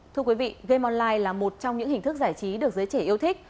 thưa quý vị game online là một trong những hình thức giải trí được giới trẻ yêu thích